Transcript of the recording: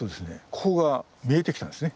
ここが見えてきたんですね。